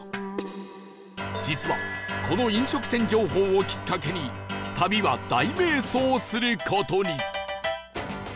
実はこの飲食店情報をきっかけに旅は大迷走する事に